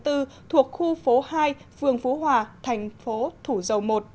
thuộc khu phố hai phường phú hòa thành phố thủ dầu một